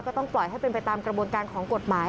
ต้องปล่อยให้เป็นไปตามกระบวนการของกฎหมาย